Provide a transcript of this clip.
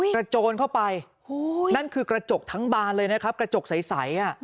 โจรเข้าไปนั่นคือกระจกทั้งบานเลยนะครับกระจกใส